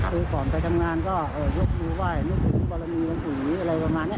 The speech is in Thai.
คือก่อนไปทำงานก็เอ่อยกดูว่ายนึกถึงบรรณีลงปุ๋ยีอะไรบางงานเนี้ย